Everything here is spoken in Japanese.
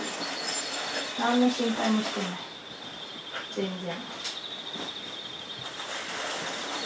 全然。